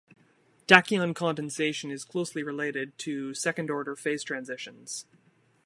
Tachyon condensation is closely related to second-order phase transitions.